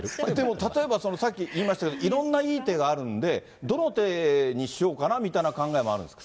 例えば、さっき言いましたけども、いろんないい手があるので、どの手にしようかなというのもあるんですか？